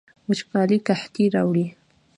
وچکالي قحطي راوړي